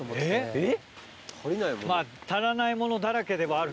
えっ。